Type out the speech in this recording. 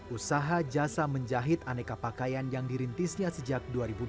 usaha jasa menjahit aneka pakaian yang dirintisnya sejak dua ribu dua belas